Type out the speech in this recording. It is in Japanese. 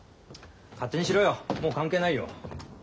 勝手にしろよもう関係ないよ。